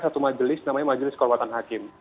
satu majelis namanya majelis kehormatan hakim